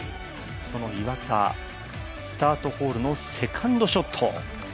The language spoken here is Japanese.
その岩田、スタートホールのセカンドショット。